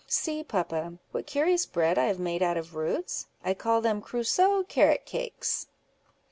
See, papa, what curious bread I have made out of roots: I call them Crusoe carrot cakes."